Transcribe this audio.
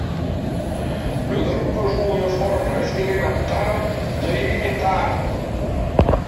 Le groupe joue une forme expérimentale de heavy metal.